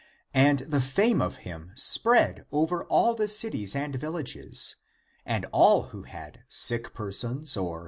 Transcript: And the fame of him spread over all the cities and villages, and all who had sick persons or such as 8 Comp.